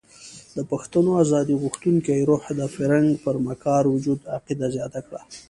د پښتنو ازادي غوښتونکي روح د فرنګ پر مکار وجود عقیده زیاته کړه.